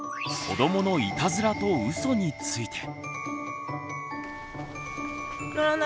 「子どものいたずらとうそ」について。